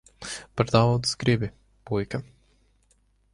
Par daudz gribi, puika.